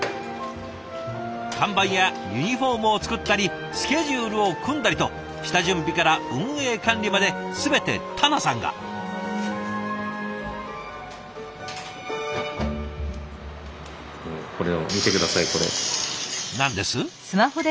販売やユニフォームを作ったりスケジュールを組んだりと下準備から運営管理まで全て田名さんが。何です？